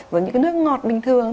với những cái nước ngọt bình thường